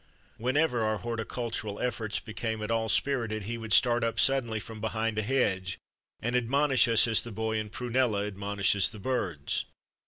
Whenever our horti cultural efforts became at all spirited he would start up suddenly from behind a hedge and admonish us as the boy in " Prunella " admonishes the birds.